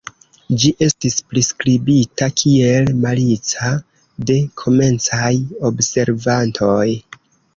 Ĝi estis priskribita kiel "malica" de komencaj observantoj.